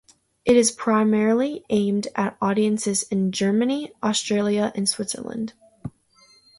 It is primarily aimed at audiences in Germany, Austria and Switzerland.